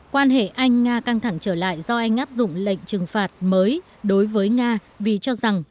quan hệ anh nga căng thẳng trở lại do anh áp dụng lệnh trừng phạt mới đối với nga vì cho rằng